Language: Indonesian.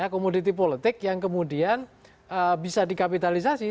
komoditi politik yang kemudian bisa dikapitalisasi